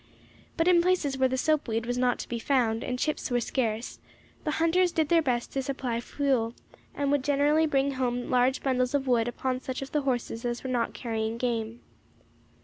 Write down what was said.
But in places where the soap weed was not to be found, and chips were scarce, the hunters did their best to supply fuel, and would generally bring home large bundles of wood upon such of the horses as were not carrying game.